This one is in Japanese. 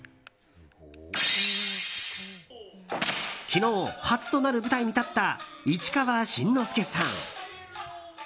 昨日、初となる舞台に立った市川新之助さん。